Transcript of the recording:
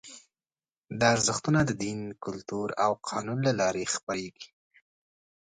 دا ارزښتونه د دین، کلتور او قانون له لارې خپرېږي.